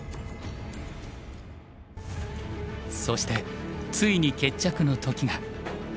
そしてついに決着の時が。